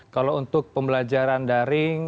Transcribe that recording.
kalau untuk pembelajaran daring